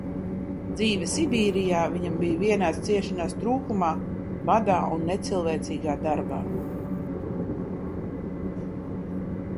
Dzīve Sibīrijā viņam bija vienās ciešanās trūkumā, badā un necilvēcīgā darbā.